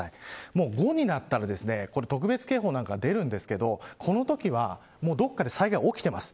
もう５になったら特別警報が出るんですけどこのときはどこかで災害が起きています。